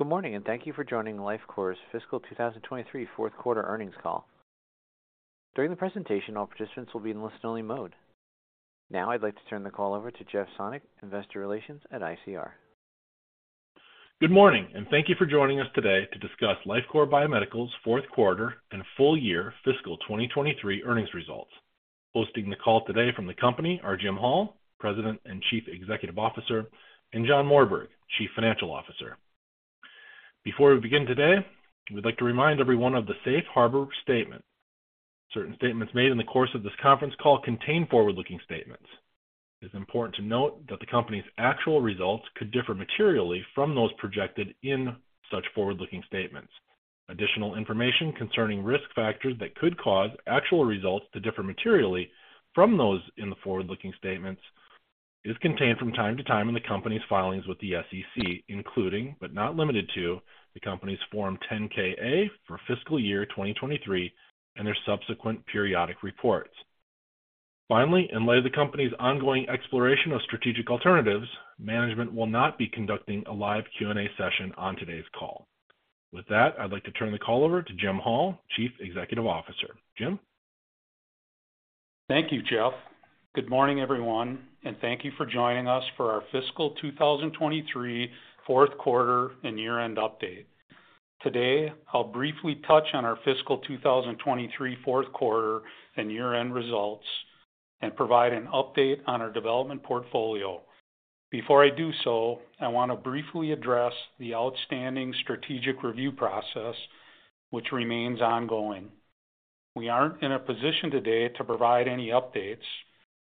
Good morning, and thank you for joining Lifecore's Fiscal 2023 fourth quarter earnings call. During the presentation, all participants will be in listen-only mode. Now, I'd like to turn the call over to Jeff Sonnek, Investor Relations at ICR. Good morning, and thank you for joining us today to discuss Lifecore Biomedical's fourth quarter and full year fiscal 2023 earnings results. Hosting the call today from the company are Jim Hall, President and Chief Executive Officer, and John Morberg, Chief Financial Officer. Before we begin today, we'd like to remind everyone of the Safe Harbor statement. Certain statements made in the course of this conference call contain forward-looking statements. It is important to note that the company's actual results could differ materially from those projected in such forward-looking statements. Additional information concerning risk factors that could cause actual results to differ materially from those in the forward-looking statements is contained from time to time in the company's filings with the SEC, including, but not limited to, the company's Form 10-K/A for fiscal year 2023 and their subsequent periodic reports. Finally, in light of the company's ongoing exploration of strategic alternatives, management will not be conducting a live Q&A session on today's call. With that, I'd like to turn the call over to Jim Hall, Chief Executive Officer. Jim? Thank you, Jeff. Good morning, everyone, and thank you for joining us for our fiscal 2023 fourth quarter and year-end update. Today, I'll briefly touch on our fiscal 2023 fourth quarter and year-end results, and provide an update on our development portfolio. Before I do so, I want to briefly address the outstanding strategic review process, which remains ongoing. We aren't in a position today to provide any updates,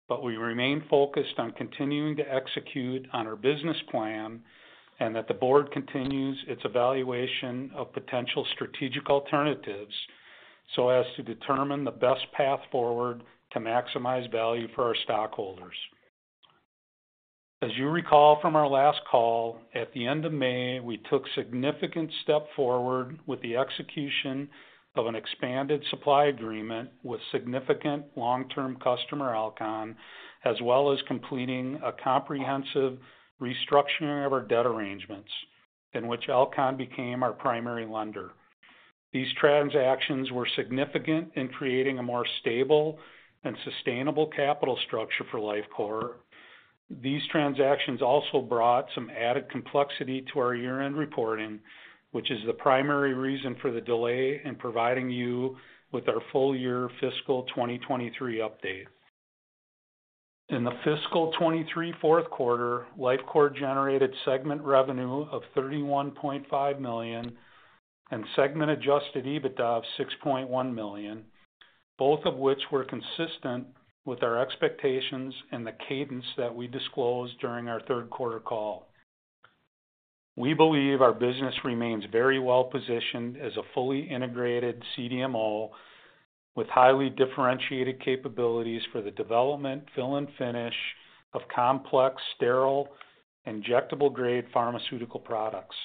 but we remain focused on continuing to execute on our business plan and that the Board continues its evaluation of potential strategic alternatives so as to determine the best path forward to maximize value for our stockholders. As you recall from our last call, at the end of May, we took significant step forward with the execution of an expanded supply agreement with significant long-term customer Alcon, as well as completing a comprehensive restructuring of our debt arrangements, in which Alcon became our primary lender. These transactions were significant in creating a more stable and sustainable capital structure for Lifecore. These transactions also brought some added complexity to our year-end reporting, which is the primary reason for the delay in providing you with our full year fiscal 2023 update. In the fiscal 2023 fourth quarter, Lifecore generated segment revenue of $31.5 million and segment adjusted EBITDA of $6.1 million, both of which were consistent with our expectations and the cadence that we disclosed during our third quarter call. We believe our business remains very well-positioned as a fully integrated CDMO with highly differentiated capabilities for the development, fill and finish of complex, sterile, injectable grade pharmaceutical products.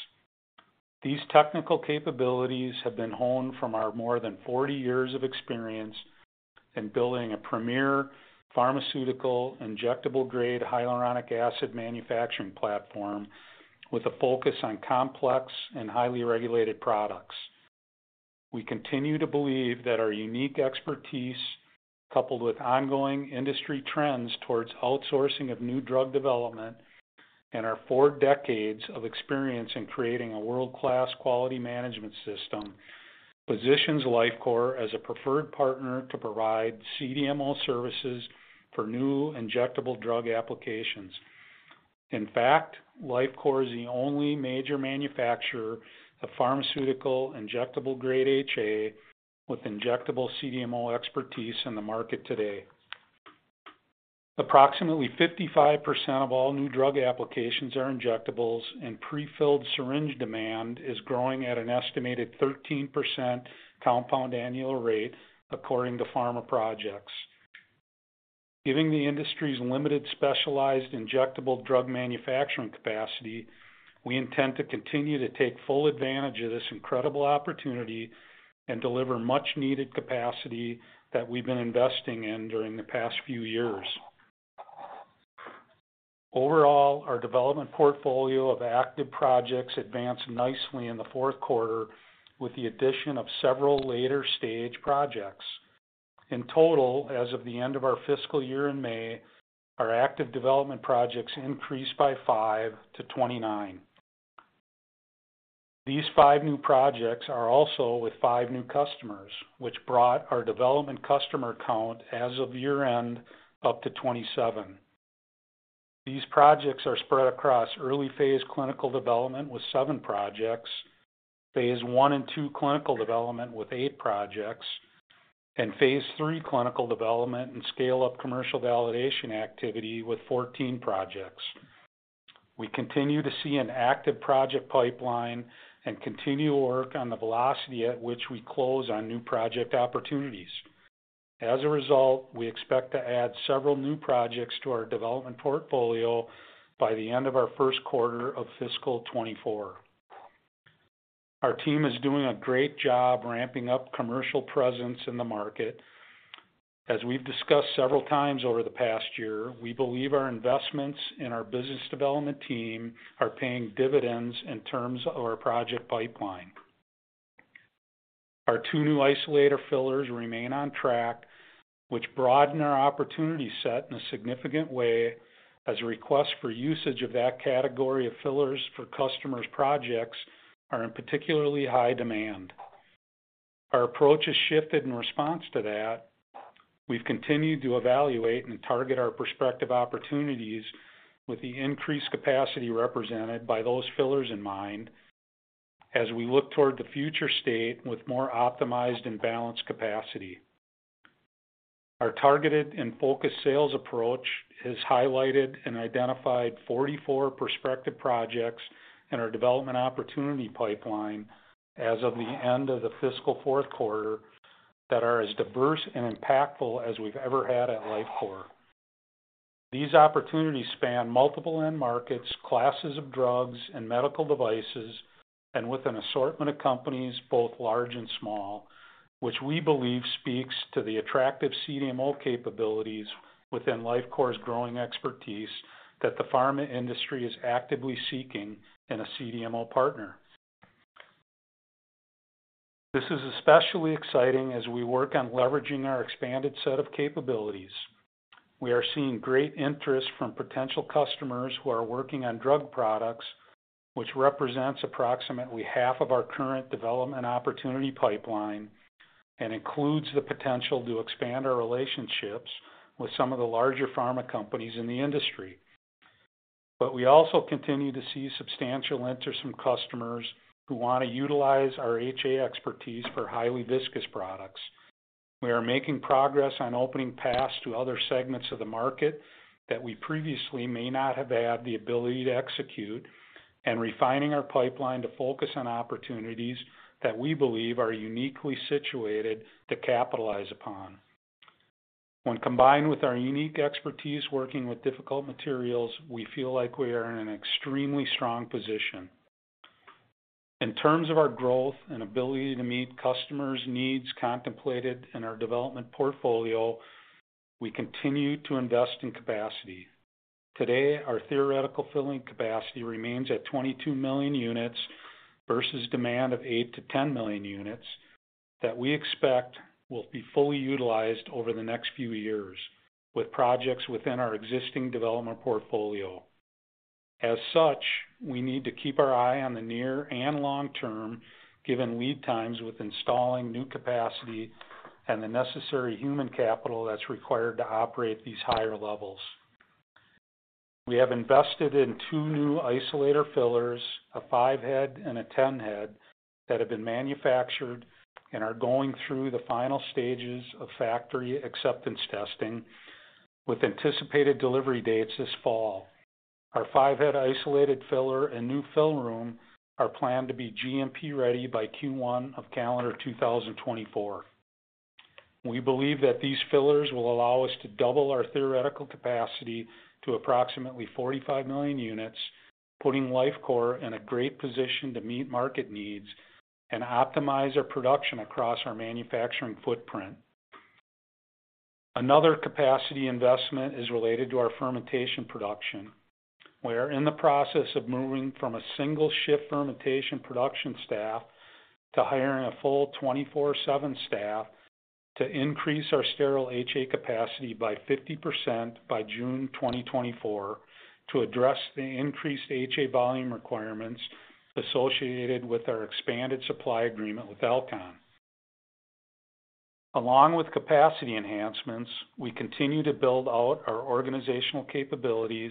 These technical capabilities have been honed from our more than 40 years of experience in building a premier pharmaceutical, injectable grade, hyaluronic acid manufacturing platform with a focus on complex and highly regulated products. We continue to believe that our unique expertise, coupled with ongoing industry trends towards outsourcing of new drug development and our four decades of experience in creating a world-class quality management system, positions Lifecore as a preferred partner to provide CDMO services for new injectable drug applications. In fact, Lifecore is the only major manufacturer of pharmaceutical, injectable-grade HA with injectable CDMO expertise in the market today. Approximately 55% of all new drug applications are injectables, and prefilled syringe demand is growing at an estimated 13% compound annual rate, according to Pharmaprojects. Given the industry's limited, specialized injectable drug manufacturing capacity, we intend to continue to take full advantage of this incredible opportunity and deliver much-needed capacity that we've been investing in during the past few years. Overall, our development portfolio of active projects advanced nicely in the fourth quarter, with the addition of several later stage projects. In total, as of the end of our fiscal year in May, our active development projects increased by five to 29. These five new projects are also with five new customers, which brought our development customer count as of year-end, up to 27. These projects are spread across early phase clinical development with seven projects, phase I and II clinical development with eight projects, and phase III clinical development and scale-up commercial validation activity with 14 projects. We continue to see an active project pipeline and continue to work on the velocity at which we close on new project opportunities. As a result, we expect to add several new projects to our development portfolio by the end of our first quarter of fiscal 2024. Our team is doing a great job ramping up commercial presence in the market. As we've discussed several times over the past year, we believe our investments in our business development team are paying dividends in terms of our project pipeline. Our two new isolator fillers remain on track, which broaden our opportunity set in a significant way, as requests for usage of that category of fillers for customers' projects are in particularly high demand. Our approach has shifted in response to that. We've continued to evaluate and target our prospective opportunities with the increased capacity represented by those fillers in mind, as we look toward the future state with more optimized and balanced capacity. Our targeted and focused sales approach has highlighted and identified 44 prospective projects in our development opportunity pipeline as of the end of the fiscal fourth quarter, that are as diverse and impactful as we've ever had at Lifecore. These opportunities span multiple end markets, classes of drugs and medical devices, and with an assortment of companies, both large and small, which we believe speaks to the attractive CDMO capabilities within Lifecore's growing expertise that the pharma industry is actively seeking in a CDMO partner. This is especially exciting as we work on leveraging our expanded set of capabilities. We are seeing great interest from potential customers who are working on drug products, which represents approximately half of our current development opportunity pipeline and includes the potential to expand our relationships with some of the larger pharma companies in the industry. But we also continue to see substantial interest from customers who want to utilize our HA expertise for highly viscous products. We are making progress on opening paths to other segments of the market that we previously may not have had the ability to execute, and refining our pipeline to focus on opportunities that we believe are uniquely situated to capitalize upon. When combined with our unique expertise working with difficult materials, we feel like we are in an extremely strong position. In terms of our growth and ability to meet customers' needs contemplated in our development portfolio, we continue to invest in capacity. Today, our theoretical filling capacity remains at 22 million units versus demand of eight to 10 million units, that we expect will be fully utilized over the next few years with projects within our existing development portfolio. As such, we need to keep our eye on the near and long term, given lead times with installing new capacity and the necessary human capital that's required to operate at these higher levels. We have invested in two new isolator fillers, a 5-head and a 10-head, that have been manufactured and are going through the final stages of factory acceptance testing with anticipated delivery dates this fall. Our 5-head isolator filler and new fill room are planned to be GMP-ready by Q1 of calendar 2024. We believe that these fillers will allow us to double our theoretical capacity to approximately 45 million units, putting Lifecore in a great position to meet market needs and optimize our production across our manufacturing footprint. Another capacity investment is related to our fermentation production. We are in the process of moving from a single shift fermentation production staff to hiring a full 24/7 staff, to increase our sterile HA capacity by 50% by June 2024, to address the increased HA volume requirements associated with our expanded supply agreement with Alcon. Along with capacity enhancements, we continue to build out our organizational capabilities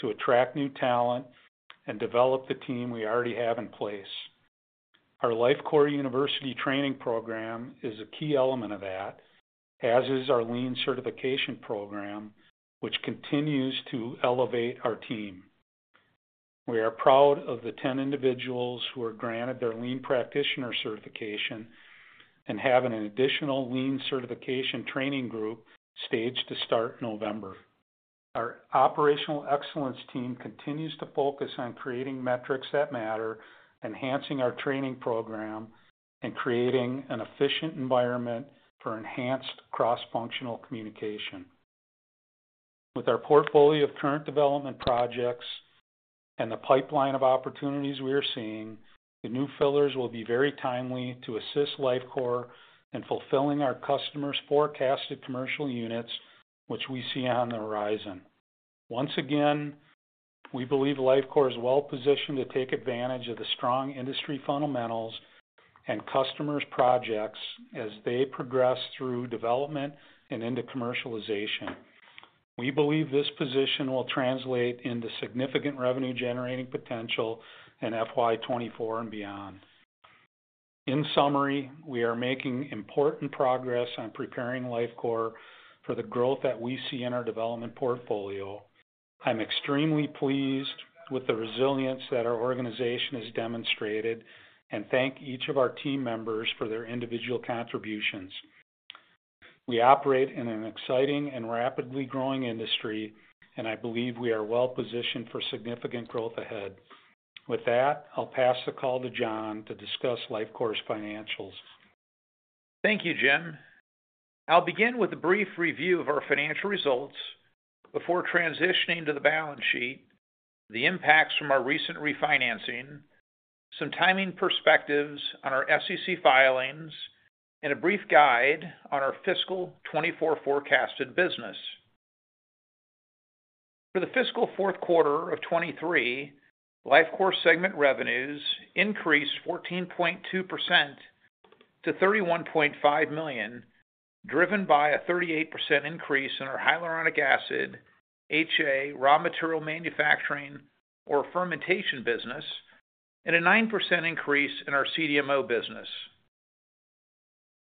to attract new talent and develop the team we already have in place. Our Lifecore University training program is a key element of that, as is our Lean Certification program, which continues to elevate our team. We are proud of the 10 individuals who were granted their Lean Practitioner Certification and have an additional Lean Certification training group staged to start in November. Our operational excellence team continues to focus on creating metrics that matter, enhancing our training program, and creating an efficient environment for enhanced cross-functional communication. With our portfolio of current development projects and the pipeline of opportunities we are seeing, the new fillers will be very timely to assist Lifecore in fulfilling our customers' forecasted commercial units, which we see on the horizon. Once again, we believe Lifecore is well positioned to take advantage of the strong industry fundamentals and customers' projects as they progress through development and into commercialization. We believe this position will translate into significant revenue-generating potential in FY 2024 and beyond. In summary, we are making important progress on preparing Lifecore for the growth that we see in our development portfolio. I'm extremely pleased with the resilience that our organization has demonstrated, and thank each of our team members for their individual contributions. We operate in an exciting and rapidly growing industry, and I believe we are well-positioned for significant growth ahead. With that, I'll pass the call to John to discuss Lifecore's financials. Thank you, Jim. I'll begin with a brief review of our financial results before transitioning to the balance sheet, the impacts from our recent refinancing, some timing perspectives on our SEC filings, and a brief guide on our fiscal 2024 forecasted business. For the fiscal fourth quarter of 2023, Lifecore segment revenues increased 14.2% to $31.5 million, driven by a 38% increase in our hyaluronic acid, HA, raw material manufacturing or fermentation business, and a 9% increase in our CDMO business.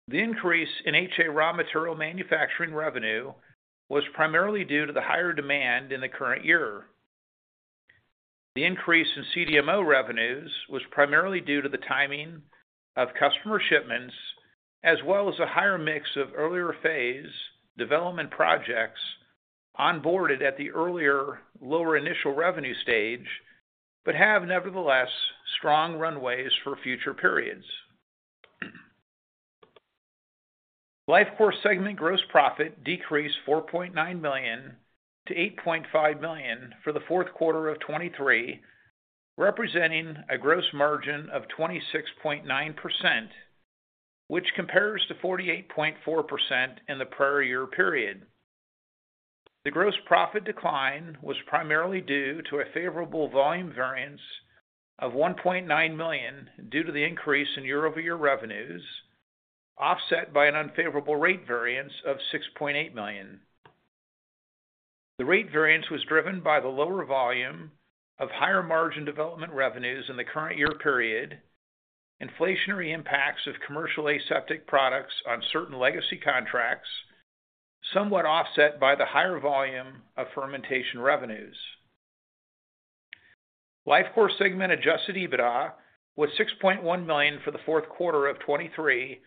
The increase in HA raw material manufacturing revenue was primarily due to the higher demand in the current year. The increase in CDMO revenues was primarily due to the timing of customer shipments, as well as a higher mix of earlier phase development projects onboarded at the earlier, lower initial revenue stage, but have, nevertheless, strong runways for future periods. Lifecore segment gross profit decreased $4.9 million to $8.5 million for the fourth quarter of 2023, representing a gross margin of 26.9%, which compares to 48.4% in the prior year period. The gross profit decline was primarily due to a favorable volume variance of $1.9 million due to the increase in year-over-year revenues, offset by an unfavorable rate variance of $6.8 million. The rate variance was driven by the lower volume of higher-margin development revenues in the current year period, inflationary impacts of commercial aseptic products on certain legacy contracts, somewhat offset by the higher volume of fermentation revenues. Lifecore segment adjusted EBITDA was $6.1 million for the fourth quarter of 2023,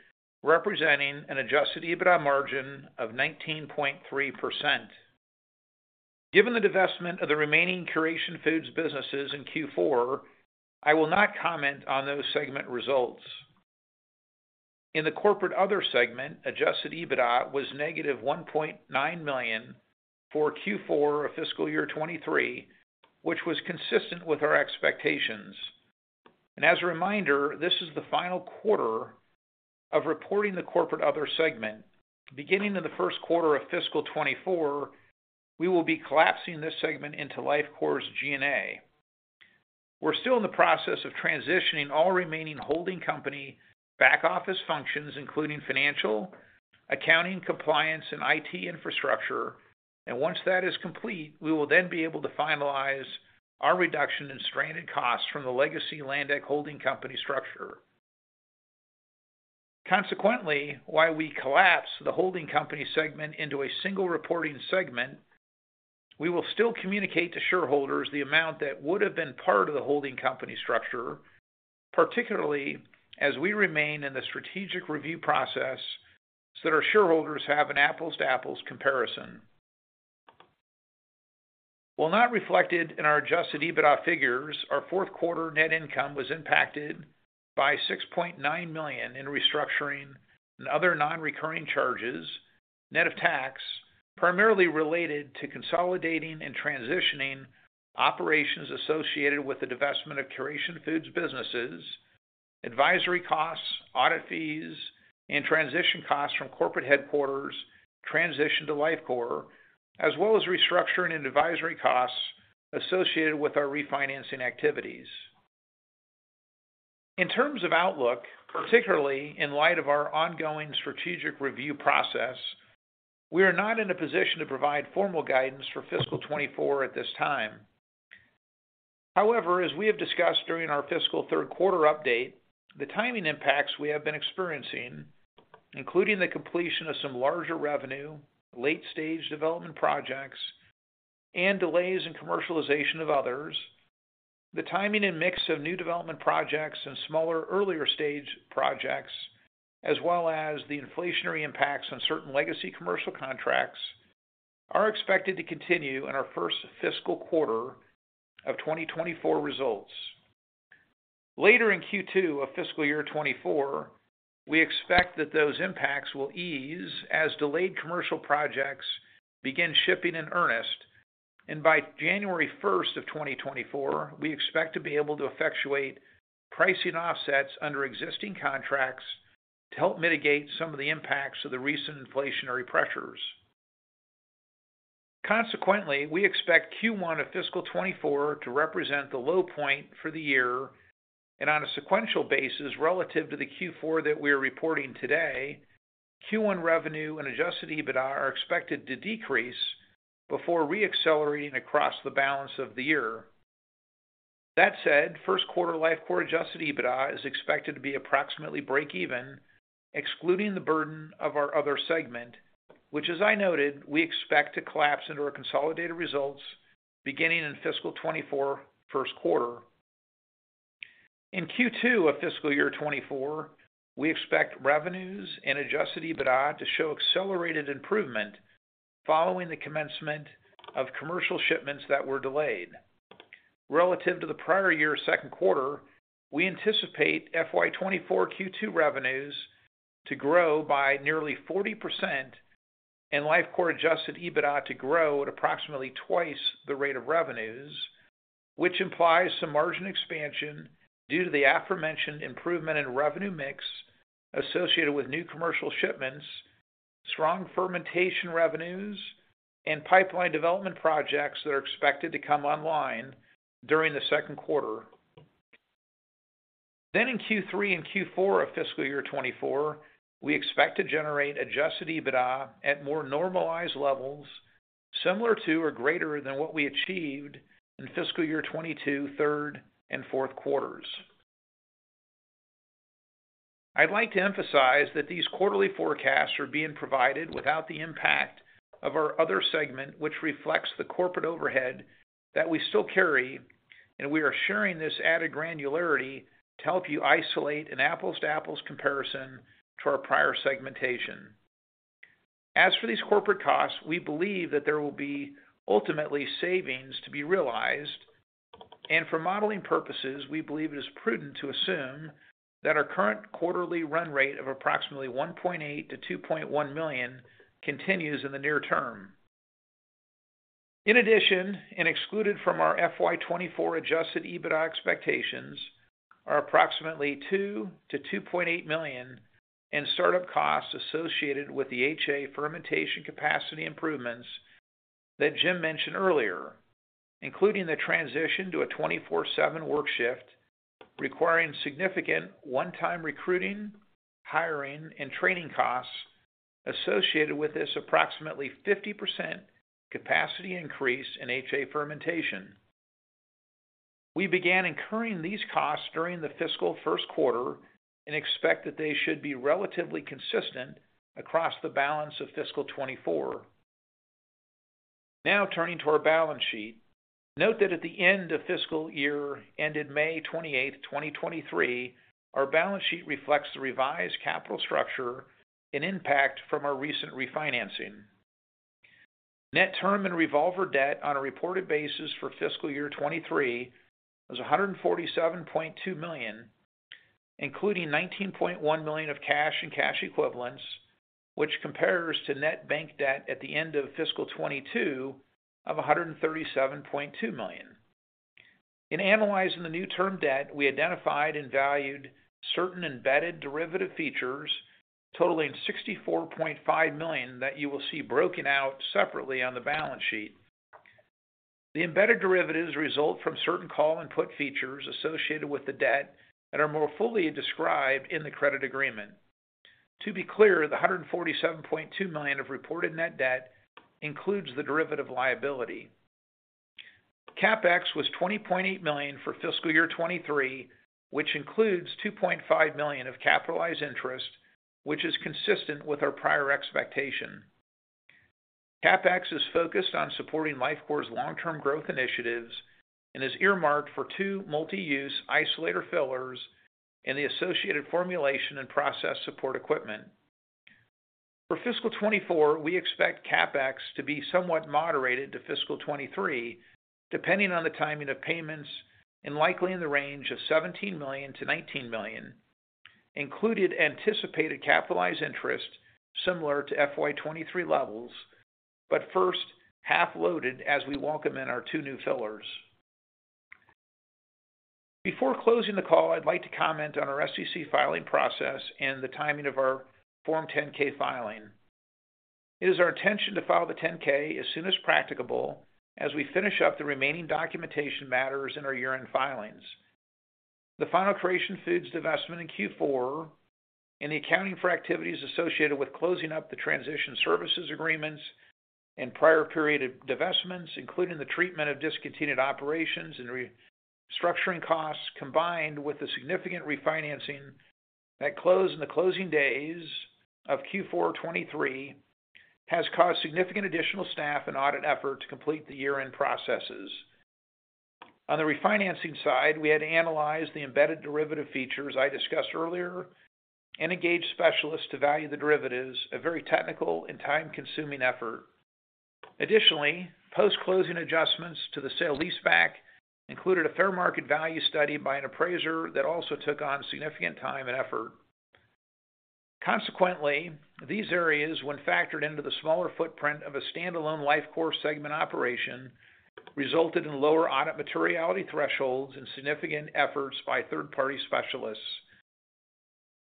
representing an adjusted EBITDA margin of 19.3%. Given the divestment of the remaining Curation Foods businesses in Q4, I will not comment on those segment results. In the Corporate Other segment, adjusted EBITDA was -$1.9 million for Q4 of fiscal year 2023, which was consistent with our expectations. As a reminder, this is the final quarter of reporting the Corporate Other segment. Beginning in the first quarter of fiscal 2024, we will be collapsing this segment into Lifecore's G&A. We're still in the process of transitioning all remaining holding company back-office functions, including financial, accounting, compliance, and IT infrastructure. Once that is complete, we will then be able to finalize our reduction in stranded costs from the legacy Landec holding company structure. Consequently, while we collapse the holding company segment into a single reporting segment, we will still communicate to shareholders the amount that would have been part of the holding company structure, particularly as we remain in the strategic review process, so that our shareholders have an apples-to-apples comparison. While not reflected in our adjusted EBITDA figures, our fourth quarter net income was impacted by $6.9 million in restructuring and other non-recurring charges, net of tax, primarily related to consolidating and transitioning operations associated with the divestment of Curation Foods businesses, advisory costs, audit fees, and transition costs from corporate headquarters transition to Lifecore, as well as restructuring and advisory costs associated with our refinancing activities. In terms of outlook, particularly in light of our ongoing strategic review process, we are not in a position to provide formal guidance for fiscal 2024 at this time. However, as we have discussed during our fiscal third quarter update, the timing impacts we have been experiencing, including the completion of some larger revenue, late-stage development projects and delays in commercialization of others, the timing and mix of new development projects and smaller, earlier-stage projects, as well as the inflationary impacts on certain legacy commercial contracts, are expected to continue in our first fiscal quarter of 2024 results. Later in Q2 of fiscal year 2024, we expect that those impacts will ease as delayed commercial projects begin shipping in earnest. And by January 1st, 2024, we expect to be able to effectuate pricing offsets under existing contracts to help mitigate some of the impacts of the recent inflationary pressures. Consequently, we expect Q1 of fiscal 2024 to represent the low point for the year and on a sequential basis, relative to the Q4 that we are reporting today, Q1 revenue and adjusted EBITDA are expected to decrease before re-accelerating across the balance of the year. That said, first quarter Lifecore adjusted EBITDA is expected to be approximately break even, excluding the burden of our other segment, which, as I noted, we expect to collapse into our consolidated results beginning in fiscal 2024 first quarter. In Q2 of fiscal year 2024, we expect revenues and adjusted EBITDA to show accelerated improvement following the commencement of commercial shipments that were delayed. Relative to the prior year's second quarter, we anticipate FY 2024 Q2 revenues to grow by nearly 40% and Lifecore adjusted EBITDA to grow at approximately twice the rate of revenues, which implies some margin expansion due to the aforementioned improvement in revenue mix associated with new commercial shipments, strong fermentation revenues, and pipeline development projects that are expected to come online during the second quarter. Then, in Q3 and Q4 of fiscal year 2024, we expect to generate adjusted EBITDA at more normalized levels, similar to or greater than what we achieved in fiscal year 2022, third and fourth quarters. I'd like to emphasize that these quarterly forecasts are being provided without the impact of our other segment, which reflects the corporate overhead that we still carry, and we are sharing this added granularity to help you isolate an apples-to-apples comparison to our prior segmentation. As for these corporate costs, we believe that there will be ultimately savings to be realized. For modeling purposes, we believe it is prudent to assume that our current quarterly run rate of approximately $1.8 million-$2.1 million continues in the near term. In addition, and excluded from our FY 2024 adjusted EBITDA expectations, are approximately $2 million-$2.8 million in start-up costs associated with the HA fermentation capacity improvements that Jim mentioned earlier, including the transition to a 24/7 work shift, requiring significant one-time recruiting, hiring, and training costs associated with this approximately 50% capacity increase in HA fermentation. We began incurring these costs during the fiscal first quarter and expect that they should be relatively consistent across the balance of fiscal 2024. Now, turning to our balance sheet. Note that aat the end of fiscal year ended May 28th, 2023, our balance sheet reflects the revised capital structure and impact from our recent refinancing. Net term and revolver debt on a reported basis for fiscal year 2023 was $147.2 million, including $19.1 million of cash and cash equivalents, which compares to net bank debt at the end of fiscal 2022 of $137.2 million. In analyzing the new term debt, we identified and valued certain embedded derivative features totaling $64.5 million, that you will see broken out separately on the balance sheet. The embedded derivatives result from certain call and put features associated with the debt that are more fully described in the credit agreement. To be clear, the $147.2 million of reported net debt includes the derivative liability. CapEx was $20.8 million for fiscal year 2023, which includes $2.5 million of capitalized interest, which is consistent with our prior expectation. CapEx is focused on supporting Lifecore's long-term growth initiatives and is earmarked for two multi-use isolator fillers and the associated formulation and process support equipment. For fiscal 2024, we expect CapEx to be somewhat moderated to fiscal 2023, depending on the timing of payments, and likely in the range of $17 million-$19 million. Included anticipated capitalized interest similar to FY 2023 levels, but first half loaded as we welcome in our two new fillers. Before closing the call, I'd like to comment on our SEC filing process and the timing of our Form 10-K filing. It is our intention to file the 10-K as soon as practicable, as we finish up the remaining documentation matters in our year-end filings. The final Curation Foods divestment in Q4 and the accounting for activities associated with closing up the transition services agreements and prior period of divestments, including the treatment of discontinued operations and restructuring costs, combined with the significant refinancing that closed in the closing days of Q4 2023, has caused significant additional staff and audit effort to complete the year-end processes. On the refinancing side, we had to analyze the embedded derivative features I discussed earlier and engage specialists to value the derivatives, a very technical and time-consuming effort. Additionally, post-closing adjustments to the sale-leaseback included a fair market value study by an appraiser that also took on significant time and effort. Consequently, these areas, when factored into the smaller footprint of a standalone Lifecore segment operation, resulted in lower audit materiality thresholds and significant efforts by third-party specialists.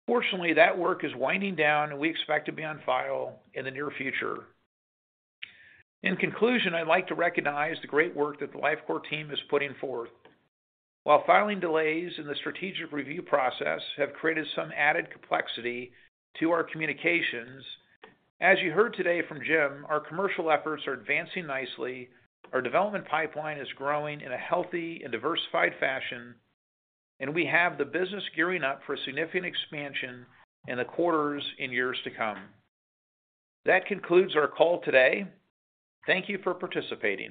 Fortunately, that work is winding down, and we expect to be on file in the near future. In conclusion, I'd like to recognize the great work that the Lifecore team is putting forth. While filing delays in the strategic review process have created some added complexity to our communications, as you heard today from Jim, our commercial efforts are advancing nicely. Our development pipeline is growing in a healthy and diversified fashion, and we have the business gearing up for significant expansion in the quarters and years to come. That concludes our call today. Thank you for participating.